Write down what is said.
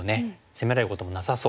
攻められることもなさそう。